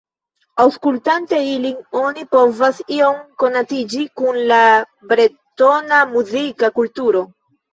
Aŭskultante ilin oni povas iom konatiĝi kun la bretona muzika kulturo.